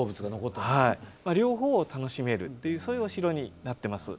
両方を楽しめるというそういうお城になってます。